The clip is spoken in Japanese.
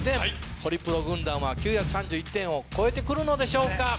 ホリプロ軍団は９３１点を超えて来るのでしょうか。